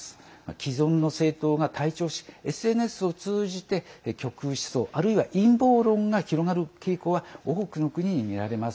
既存の政党が退場しＳＮＳを通じて極右思想あるいは、陰謀論が広がる傾向は多くの国に見られます。